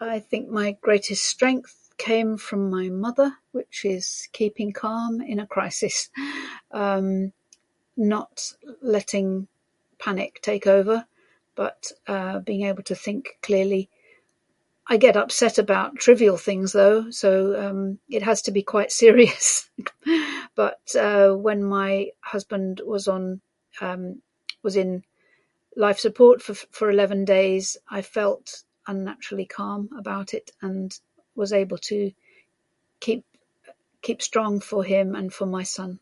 I think my greatest strength came from my mother, which is keeping calm in a crisis. Um, not letting panic take over, but, uh, being able to think clearly. I get upset about trivial things, though, so, um, it has to be quite serious. But uh when my husband was on uh was in life support for for eleven days, I felt unnaturally calm about it and was able to keep keep strong for him and for my son.